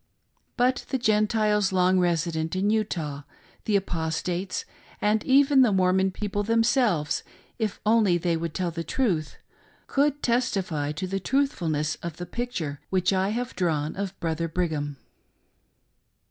But the Gentiles lopg resident in Utah, the Apostates, an,d even the Mormon people themselves, if only they would tell the truth, could testify to the truthfulness, of the picture which I have drawn of Brother Brigham.